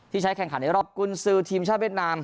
ใช้แข่งขันในรอบกุญซือทีมชาติเวียดนาม